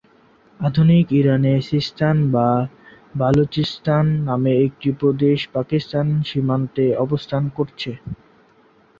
আধুনিক ইরানে সিস্তান ভা বালুচিস্তান নামে একটি প্রদেশ পাকিস্তান সীমান্তে অবস্থান করছে।